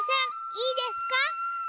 いいですか？